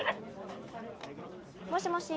もしもし。